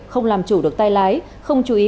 không làm chủ được tay lái không chú ý